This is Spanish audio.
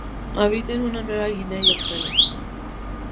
Habita en Nueva Guinea y Australia.